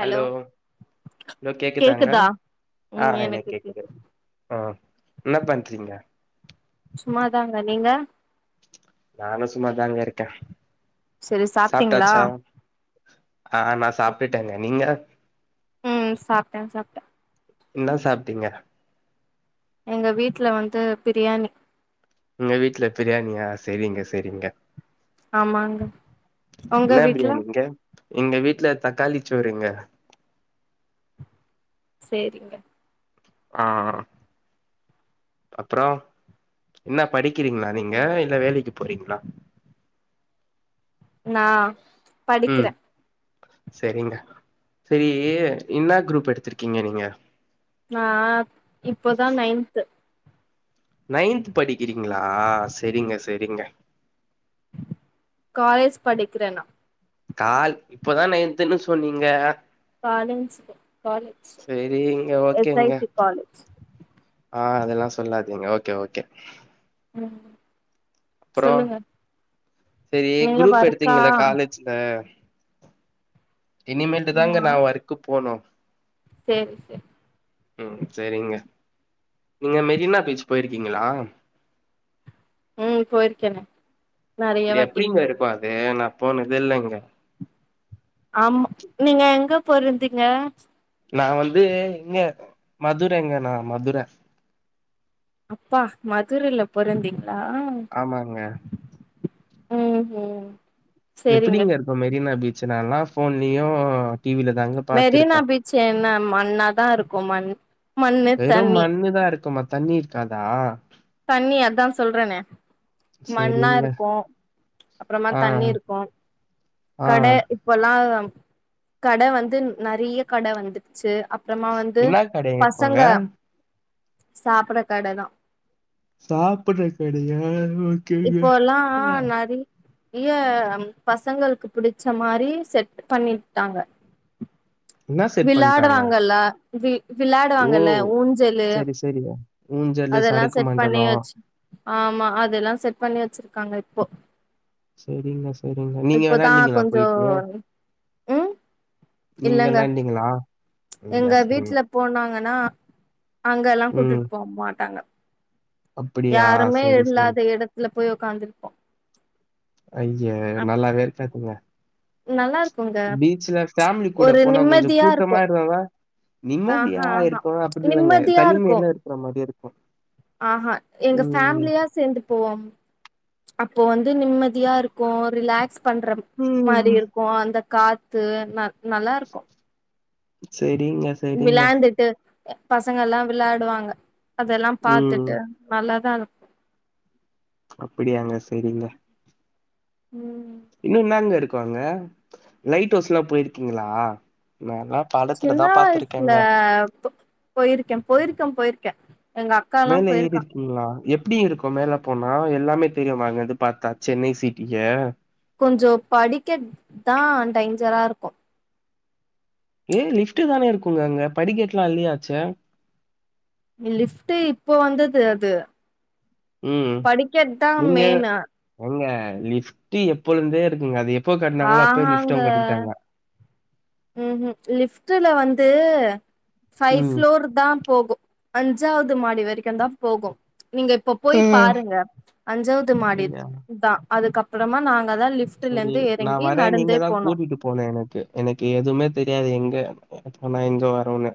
Hello hello கேக்குதாங்க? கேக்குதா ஆ ம் எனக் எனக்கு கேக்குது ம் என்ன பண்றீங்க? சும்மாதாங்க நீங்க? நானு சும்மாதாங்க இருக்கே. செரி சாப்டிங்ளா? சாப்ட்டாச்சா ஆ நா சாப்டுட்டங்க. நீங்க? ம் சாப்டே சாப்டே. என்னா சாப்டிங்க? எங்க வீட்ல வந்து பிரியாணி. உங்க வீட்ல பிரியாணியா செரிங்க செரிங்க. ஆமாங்க உங்க என்னா வீட்ல பிரியாணிங்க? எங்க வீட்ல தக்காளிச்சோறுங்க. சேரிங்க. ஆ அ. அப்புறோ என்னா படிக்கிறிங்ளா நீங்க இல்ல வேலைக்கி போறீங்ளா? நா ம் படிக்கிறே செரிங்க செரி என்னா குரூப் எடுத்திருக்கிங்க நீங்க? நா இப்போதா நைன்த்து நைன்த்து படிக்கிறிங்ளா செரிங்க செரிங்க. காலேஜ் படிக்கிற நா. கால் இப்பதா நைன்த்துன்னு சொன்னீங்க. [unintelligible] காலேஜ் சேரிங்க எஸ் ஐ ஓகேங்க டி காலேஜ். ஆ அதெல்லா சொல்லாதீங்க ஓகே ஓகே. ம் அப்றோ சொல்லுங்க சரி நீங்க குரூப் வர்க்கா எடுத்தீங்கள காலேஜ்ல இனிமேல்ட்டுதாங்க நா ஒர்க்கு போனு செரி ச ம் சரிங்க நீங்க மெரினா பீச் போயிருக்கீங்களா ம் போயிருக்கேன ப்டி எப்டிங்க இருக்கு அது நா போனதே இல்லங்க ஆமா நீங்க எங்க பொறந்தீங்க நா வந்து இங்கே மதுரங்க நா மதுர அப்பா மதுரைல பொறந்தீங்ளா ஆமாங்க ம் ம் சேரிங்க எப்டிங்க இருக்கு மெரினா பீச் நான்லா போன்லயு மெரினா பீச் என்ன மண்ணாதா இருக்கு மண் மண்ணு வெறும் தண்ணி மண்ணுதா இருக்குமா தண்ணி இருக்காதா தண்ணி அதா சொல்றனே மண்ணா சேரிங்க இருக்கு அப்றமா ஆ தண்ணி இருக்கு ஆ கட இப்பல்லா கட வந்து நெறைய கட வந்துருச்சு அப் ப்றமா வந்து என்னா கடைங்க பசங்க இருக்குங்க சாப்புற கடதா சாப்புற கடயா ஒக் இப்போல்லா நெறி றிய பசங்களுக்கு புடிச்ச மாரி செட் பண்ணிட்டாங்க என்னா செட் பண்ட்டாங்க? விளாடுறாங்கல்ல வி விளாடுவாங்கல்ல ஊஞ்சலு தெரியு அதெல்லா செட் பண்ணி வச்சு ஆமா அதெல்லா செட் பண்ணி வச்சிருக்காங்க இப்போ செரிங்க சரிங்க நீங்க இப்போதா வெளாண்டீங்களா கொஞ்சோ போயிட்டு ம் நீங்க இல்லங்க விளையாண்டீங்களா? ம். எங்க சரிங்க. வீட்ல போனாங்கன்னா அங்கல்லா ம். கூட்டுட்டு போமாட் டாங்க அப்படியா? யாருமே சரி, சரி. இல்லாத எடத்துல போய் உக்காந்துருப்போ அய்யே நல்லாவே இருக்காதுங்க நல்லாருக்குங்க பீச்ல ஃபேமிலி கூட போனா கொஞ்சொ கூட்டமா இருந்தாதா நிம்மதியா ஆஹா ஆஹா இருக்கு அப்டி இல்லங்க நிம்மதியா இருக்கு தனிமைல்ல இருக்குற மாரி இருக்கு ஆஹா எங்க ஃபேமிலியா சேர்ந்து போவோ அப்போ வந்து நிம்மதியா இருக்கு ரிலாக்ஸ் பண்ற மாரி ம். இருக்கு அந்த காத்து ந நல்லாருக்கு செரிங்க விளாந்டுட்டு க பசங்கல்லா விளாடுவாங்க அதெல்லா ம். பாத்துட்டு நல்லாதா இரு அப்படியாங்க செரிங்க ம் இன்னு என்னாங்க இருக்கு அங்க லைட் ஹவுஸ்லா போயிருக்கீங்ளா நாலா சின்ன வயசுல போ பொயிருக்கே பொயிருக்க பொயிருக்கே மேலே ஏறி கிங்ளா எப்டி இருக்கும் மேல போனா எல்லாமே தெரியுமா அங்கருந்து பாத்தா சென்னை சிட்டிய கொஞ்சோ படிக்கட் தா டைஞ்சரா இருக்கு ஏ லிப்டு தானே இருக்குங்க அங்க படிக்கேட்லா அல்லியாச்சே இங்க லிஃப்ட்டு இப்போ வந்தது அது ம் படிக்கட் தா நீங்க மெயினு ஏங்க லிஸ்ட்ட் எப்போழுருந்தே இருக்குங்க அது எப் எப்போ கட்னாங்களோ அப்பேயே லிப்ட்டு கட்டிடாங்க ம் ம் லிப்ட்டுல வந்து ஃபை ம் ஃப்ளோரு த்தா போகு அஞ்சாவது மாடி வரைக்குந்தா போகு நீங்க இப்ப போய் ம் பாருங்க அஞ்சாவது மாடி அப்டியா தா அதுக்கப் அப்பறமா நாங்கதா லிஃப்ட்ல இருந்து எறங்கி நடந்தே போனோ போனே எனக்கு எனக்கு எதுவுமே தெரியாது எங்க ஆனா போனா எங்க வருனு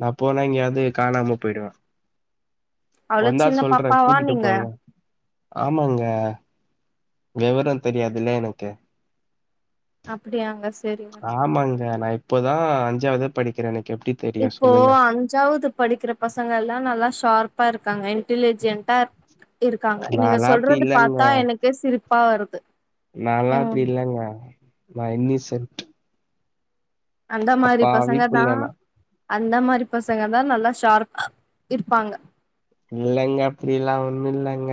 நா போனா இங்கயாவது காணாம போய்டுவே அவ்ளோ வந்தா சின்ன சொல்றே பாப்பாவா கூட்டிட்டு நீங்க போங்க ஆமாங்க விவரோ தெரியாதுல்ல எனக்கு அப்டியாங்க செரிங்க ஆமாங்க நா இப்போதா அஞ்சாவது படிக்கிறே எனக்கு எப்டி இப்போ அஞ் ஜாவுது படிக்கிற பசங்கெல்லா நல்லா ஷார்ப்பா இருக்காங்க இன்டலிஜென்டா இருக்காங்க நீங்க நான்லாம் அப்படி சொல்றது இல்லங்க. பாத்தா எனக்கு சிரிப்பா வருது நாலா அப்டி ம் இல்லங்க நா இன்னிசெட் அந்த மாரி அப்பாவி பசங்க தா புள்ள நான். அந்த மாரி பசங்க தா நல்லா ஷார்பா இருப்பாங்க இல்லங்க அப்புடி இல்லா ஒண்ணு இல்லங்க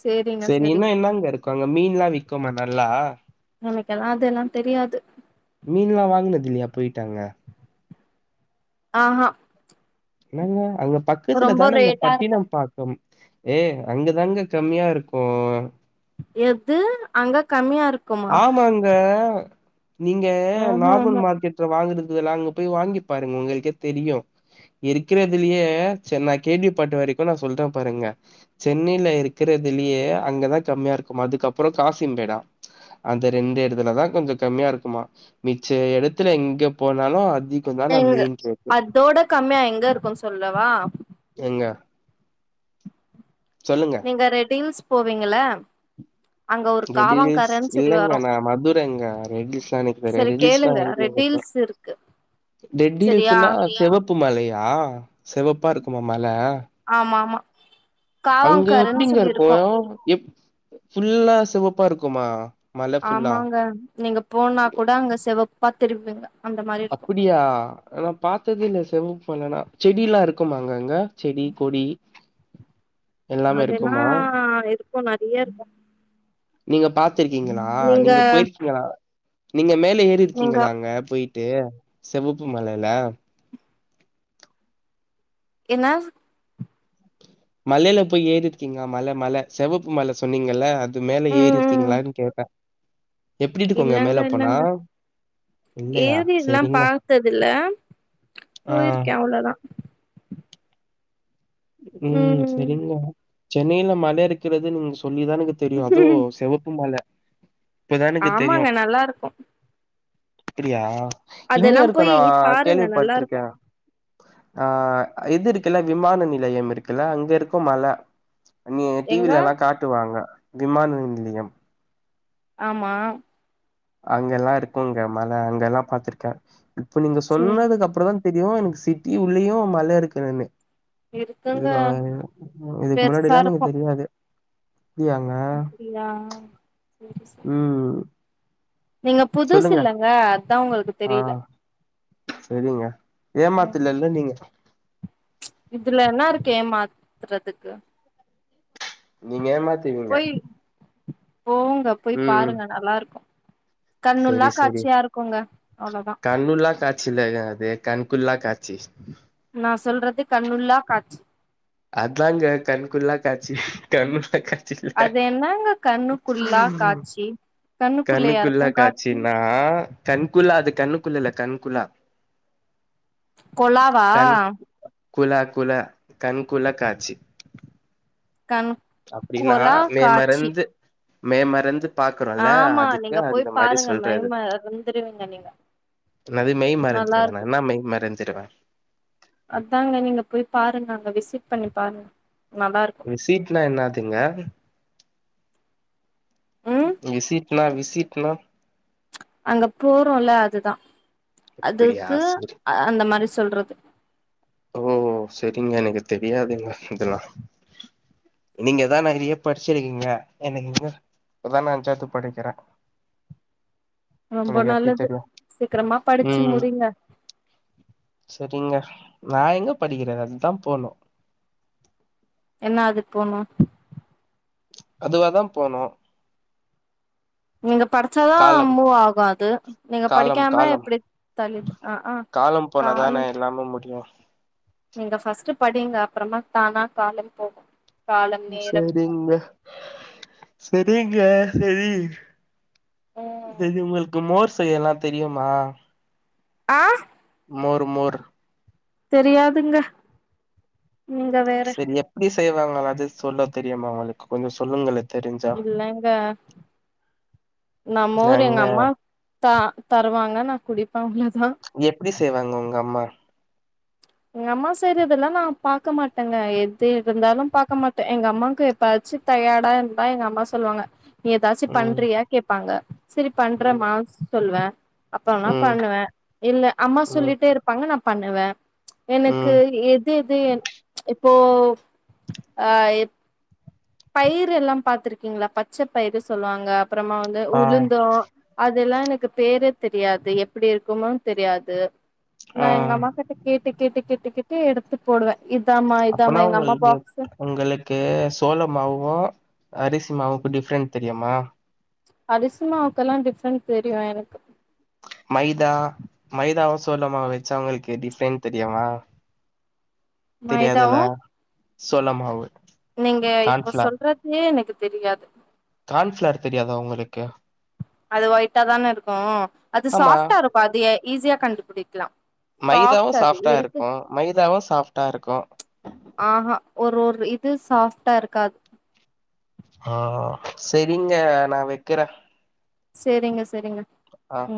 சேரிங்க செரி இன்னு சேரிங்க என்னங்க இருக்கு அங்க மீன்லா விக்குமா நல்லா நமெக்கெல்லா அதெல்லா தெரியாது மீன்ல்லா வாங்குனது இல்லையா பொயிட்டு அங்க ஆ ஹா என்னங்க அங்க பக்கத்துல ரொம்ப தானங்க ரேட்டா இருக்கு பட்டினம் பாக் கம் ஏ அங்க தானுங்க கம்மியா இருக்கு எது அங்க கம்மியா இருக்கு ஆமாங்க நீங்க ம்ஹூ நார்மல் ம்ஹூ மார்க்கெட் டுல வாங்குறதுக்குது எல்லா அங்க போய் வாங்கி பாருங்க உங்களுக்கே தெரியு இருக்குறதுலயே சேர் நா கேள்வி பாட்டு வரைக்கு நா சொல்றே பாருங்க சென்னையில இருக்குறதுலயே அங்கதா கம்மியா இருக்குமா அதுக்கப்பறோ காசிம்பேடா அந்த ரெண்டு எடத்துலதா கொஞ்ச கம்மியா இருக்குமா மிச்ச இடத்துல எங்க போனாலும் அதிக எங்க அதோட கம்மியா எங்க இருக்குன்னு சொல்லவா எங்க சொல்லுங்க அங்க ரெட் ஹில்ஸ் போவீங்களா ரெடி ஹுல்ஸ் சொல்லி வரு இல்லங்க நா மதுரங்க ரெட்ஸ் நா எனக்கு ரெடில்ஸ் நா எங் ரெடில்ஸ் இருக்கு டெட் சரியா ஹில்ஸ்ன்னா செவப்பு மலையா செவப்பா இருக்குமா மல ஆமா ஆமா அங்க காவாங்கரன்னு எப்டிங்க சொல்லி இருக்கு ப்டி ஃபுல்லா செவப்பா இருக்குமா மல ஃபுல்லா ஆமாங்க நீங்க போனா கூட அங்க செவப்பா திருவிங்க அந்த மாரி இருக்கு அப்டியா நா பாத்தது இல்ல செவ போலனா செடில்லா இருக்குமாங்க அங்க செடி கொடி எல்லாமே அதெல்லா இருக்குமா இருக்கூ நறைய இருக்கூ நீங்க பாத்துருக்கீங்களா நீங்க போயிருக்கீங்களா நீங்க மேல ஏறி நீங்க இருக்கீங்களா அங்க போயி டு செவப்பு மலைல என்னா மலையில போய் ஏறிருக்கீங்ளா மல மல செவப்பு மல சொன்னீங்கல்ல அது மேல ம் ஏறி ம் இருக்கீங்ளான்னு கேட்ட எப்டிட்டுக்கோங்க மேல போனா இல்லையா ஏறிர்ல்லாம் செரிங்க பாத்ததுல்ல ஆ போயிருக்கே அவ்ளதா ம் செரிங்க சென்னையில மல இருக்கிறது நீங்க சொல்லிதானக்கு தெரியு அதோ செவப்பு மல இப்பதா எனக்கு தெரியு ஆமாங்க நல்லாருக்கு அப்பிடியா இங்க அதெல்லா இருக்கூ போய் நா பாருங்க நல்லாருக்கு கேள்விப்பட்டுருக்கே ஆ இது இருக்குல்ல விமான நிலையம் இருக்குல்ல அங்க இருக்கும் மல நீ இங்க எங்க டிவிலல்லா காட்டுவாங்க விமான நிலையம் ஆமா அங்கெல்லா இருக்குங்க மல அங்க எல்லாம் பாத்திருக்க இப்ப நீங்க சேரி சொன்னதுக்கு அப் அப்புறந்தா தெரியு எனக்கு சிட்டி உள்ளயு மல இருக்குனுன்னு இருக்குங்க இதுக்கு [unintelligible] இதுக்கு பெருசா முன்னாடிலா எனக்கு இருக்கு தெரியாது அப்டியாங்க அப்டியா சேரி சேரி ம் நீங்க புதுசு சொல்லுங்க. இல்லங்க அதா உங்களுக்கு ஆ. தெரியில செரிங்க ம் ஏமாத்தலல்ல நீங்க இதுல என்னா இருக்கு ஏமாத்துறதுக்கு நீங்க ஏமாத் போய் போங்க போய் ம் பாருங்க நல்லா ருக்கூ கண்ணுள்ளா செரி செரி காட்சியா இருக்குங்க அவ்ளோதா கண்ணுள்ளா காட்சி இல்லங்க அது கண்குள்ளா காட்சி நா சொல்றது கண்ணுள்ளா காட்சி அதாங்க கண்கொள்ளாக் காச்சி கண்ணுல்லா காச்சி இல்ல அது என்னங்க கண்ணுக்குள்ளா காட்சி கண்ணுக்குள்ளயா இருக்கு கண்ணுக்குள்ளா காட்சி காட்சினா கண்குளா அது கண்ணுக்குள்ளல்ல கண்குளா கொலாவா கண் குளா குள கண்குள காட்சி கண் அப்டின்னா கொலா மே காட்சி மருந்து மே மருந்து பாக்குறோல ஆமா அதுக்கு நீங்க போய் அந்த மாரி பாருங்க மெய் சொல்றது மறந்துருவீங்க நீங்க ன்னது மெய் நல்லா மறந்துருவேனா இருக்கு என்னா மெய் மறந்துருவேன் அதாங்க நீங்க போய் பாருங்க அங்க விசிட் பண்ணி பாருங்க நல்லாருக் விசீட்னா என்னாதுங்க ம் விசிட் னா விசிட்னா அங்க போறோல அதுதா அப்டியா அதுக்கு செரி அந்த மாரி சொல்றது ஓ செரிங்க எனக்கு தெரியாதுங்க இதலா நீங்க தா நறிய படிச்சிருக்கீங்க எனக்கென்னா இப்பதா நா அஞ்சாவ்து படிக்கிற ரொம்ப நல்லது சீக்கிரமா படிச்சு ம் முடிங்க செரிங்க நா எங்க படிக்கிறே அதா போனோ என்னா அது போணு அதுவாதா போணு நீங்க படிச்சாதா காலம் மூவ்வாகு அது நீங்க காலம் படிக்காம காலம் எப்டி தள்ளி ஆக்கா காலம் போனாதானே எல்லாமே முடியு நீங்க ஃபஸ்ட்டு படிங்க அப்றமா தானா காலம் போகு காலம் ம் நேரம் எல்லாமே செரிங்க செரிங்க செரி இது ம் இது உங்களுக்கு மோர் செய்யலா தெரியுமா ஆ மோரு மோரு தெரியாதுங்க நீங்க வேற செரி எப்டி செய்வாங்களாவ்து சொல்ல தெரியுமா ஒங்களுக்கு கொஞ்ச சொல்லுங்களே தெரிஞ்சா இல்லங்க நா மோரு எங்க நாங்க அம்மாத் தா தருவாங்க நா குடிப்பே அவ்ளோதா எப்டி செய்வாங்க உங்க அம்மா எங்க அம்மா செய்றதெல்லா நா பாக்க மாட்டங்க எது இருந்தாலு பாக்க மாட்ட எங்க அம்மாக்கு எப்பயாச்சு தயாடா இருந்தா எங்க அம்மா சொல்வாங்க நீ எதாச்சு ம் பண்றியா கேப்பாங்க செரி ம் பண்றேமா சொல்வே அப்பற நா ம் பண்ணுவே இல்ல அம்மா ம் சொல்லிட்டே இருப்பாங்க நா பண்ணுவே எனக்கு ம் எதெது இன் இப்போ ஆ இப் பயிறெல்லா பாத்திருக்கீங்களா பச்ச பயிறு சொல்வாங்க அப்பறமா வந்து ஆ உளுந்து அதெல்லா எனக்கு பேரே தெரியாது எப்டி இருக்குனு தெரியாது ஆ நா எங்க அம்மா கிட்ட கேட்டு கேட்டு கேட்டு கேட்டு எடுத்து போடுவே இதாம்மா இதாம எங்க அம்மா பாக்ஸே ஒங்களுக்கு சோள மாவு அரிசி மாவுக்கு டிஃப்ரெண்ட் தெரியுமா அரிசி மாவுக்கெல்லா டிஃப்ரெண்ட் தெரியு எனக்கு மைதா மைதாவு சோளமாவு வச்சா உங்களுக்கு டிஃப்ரெண்ட் தெரியுமா தெரியாதுல மைதாவு சோள மாவு நீங்க இப்ப சொல்றது எனக்கு தெரியாது கார்ன்ஃபிளார் தெரியாதா ஒங்களுக்கு அது ஒயிட்டா தான இருக்கு அது ஆமா சாஃப்டா இருக்கு அது எ ஈஸியா கண்டுபிடிக்லா மைதாவு சாஃப்டா இருக்கு மைதாவு சாஃப்டா இருக்கு ஆ ஹா ஒரு ஒரு இது சாஃப்ட்டா இருக்காது ஆ செரிங்க நா வெக்கிறே சேரிங்க சேரிங்க ஆ ம்